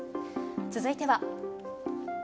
続いては。